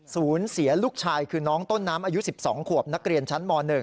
ศูนย์เสียลูกชายคือน้องต้นน้ำอายุ๑๒ขวบนักเรียนชั้นม๑